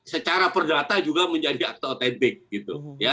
secara perdata juga menjadi akte otentik gitu